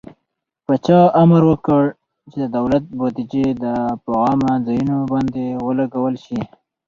پاچا امر وکړ چې د دولت بودجې د په عامه ځايونو باندې ولګول شي.